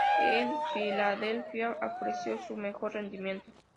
En Filadelfia ofreció su mejor rendimiento.